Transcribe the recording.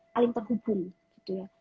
paling terhubung gitu ya